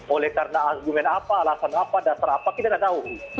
oleh karena argumen apa alasan apa dasar apa kita tidak tahu